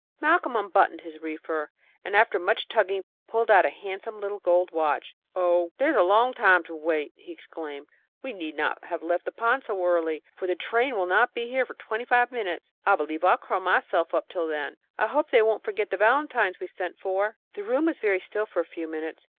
Malcolm unbuttoned his reefer, and, after much tugging, pulled out a handsome little gold watch. "Oh, there's a long time to wait!" he exclaimed. "We need not have left the pond so early, for the train will not be here for twenty five minutes. I believe I'll curl up here myself, till then. I hope they won't forget the valentines we sent for." The room was very still for a few minutes.